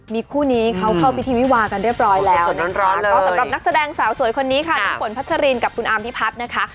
มีคู่นี้เขาเข้าพิธีวิวากันเรียบร้อยแล้วก็สำหรับนักแสดงสาวสวยคนนี้ค่ะน้ำฝนพัชรินกับคุณอามพิพัฒน์นะคะ